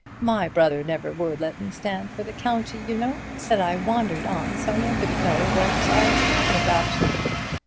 My brother never would let me stand for the county, y'know—said I wandered on so nobody'd know what I was talkin' about."